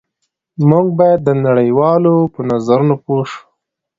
موږ باید د نړۍ والو په نظرونو پوه شو